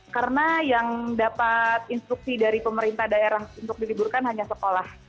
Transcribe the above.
karena yang dapat instruksi dari pemerintah daerah untuk diliburkan hanya sekolah